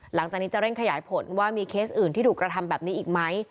หลังจากนี้จะเร่งขยายผลว่ามีเคสอื่นที่ถูกกระทำแบบนี้อีกไหม